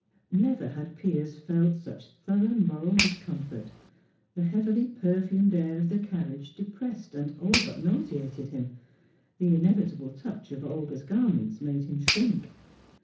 Never had Piers felt such thorough moral discomfort; the heavily perfumed air of the carriage depressed and all but nauseated him; the inevitable touch of Olga's garments made him shrink.